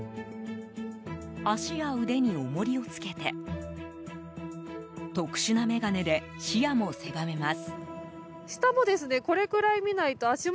足や腕に重りをつけて特殊な眼鏡で視野も狭めます。